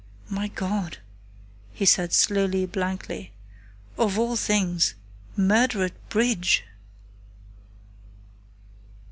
"My God!" he said slowly, blankly. "Of all things murder at bridge!"